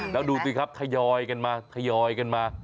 แล้วดูสิครับทยอยกันมาทยอยกันมา